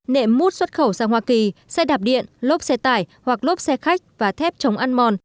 nệm mút xuất khẩu sang hoa kỳ xe đạp điện lốp xe tải hoặc lốp xe khách và thép chống ăn mòn